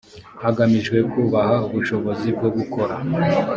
hagamijwe kubaha ubushobozi bwo gukora